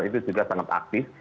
itu juga sangat aktif